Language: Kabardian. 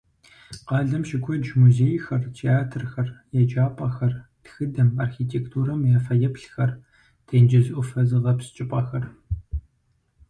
Къалэм щыкуэдщ музейхэр, театрхэр, еджапӀэхэр, тхыдэм, архитектурэм я фэеплъхэр, тенджыз Ӏуфэ зыгъэпскӀыпӀэхэр.